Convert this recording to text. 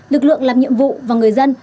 lực lượng làm nhiệm vụ và người dân